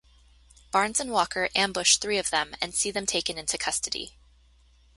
Barnes and Walker ambush three of them and see them taken into custody.